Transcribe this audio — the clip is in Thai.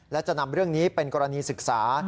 และจะนำเรื่องนี้เป็นกรณีศึกษา